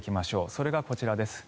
それがこちらです。